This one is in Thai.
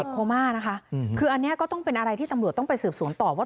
สองทีคือนางนี้ก็ต้องเป็นอะไรที่ตำลวกต้องไปสืบสวนต่อว่า